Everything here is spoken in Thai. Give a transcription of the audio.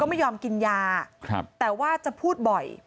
ไม่ยอมกินยาแต่ว่าจะพูดบ่อย